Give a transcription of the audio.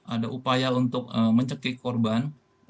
ada upaya untuk mencekik korban